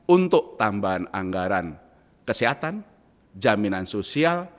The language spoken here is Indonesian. untuk tambahan anggaran kesehatan jaminan sosial